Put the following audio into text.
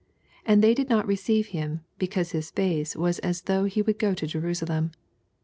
58 And they did not reodve him, becaase his mee was as though he would go to Jerusalem.